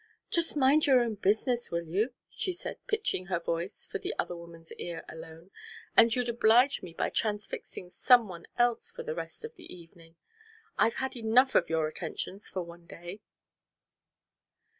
"Just mind your own business, will you?" she said, pitching her voice for the other woman's ear alone. "And you'd oblige me by transfixing some one else for the rest of the evening. I've had enough of your attentions for one day."